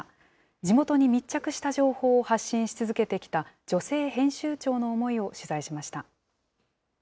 地元に密着した情報を発信し続けてきた女性編集長の思いを取材しました。